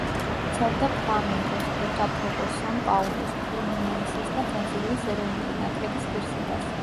იცავდა „ფლამენგოს“, „ბოტაფოგოს“, „სან-პაულუს“, „ფლუმინენსეს“ და ბრაზილიის ეროვნული ნაკრების ღირსებას.